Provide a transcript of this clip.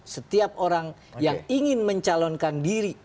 setiap orang yang ingin mencalonkan diri